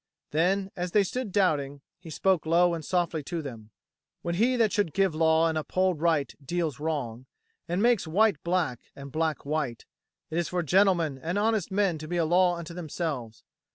Then, as they stood doubting, he spoke low and softly to them: "When he that should give law and uphold right deals wrong, and makes white black and black white, it is for gentlemen and honest men to be a law unto themselves.